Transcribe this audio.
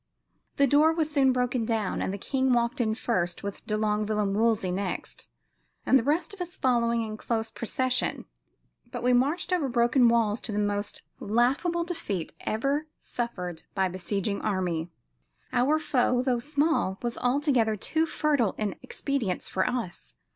The door was soon broken down, and the king walked in first, with de Longueville and Wolsey next, and the rest of us following in close procession. But we marched over broken walls to the most laughable defeat ever suffered by besieging army. Our foe, though small, was altogether too fertile in expedients for us.